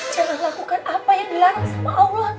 jangan lakukan apa yang dilarang sama allah